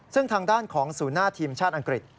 ซึ่งทางด้านของศูนย์หน้าทีมชาติอังกฤษ